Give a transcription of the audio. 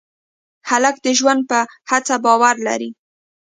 هلک د ژوند په هڅه باور لري.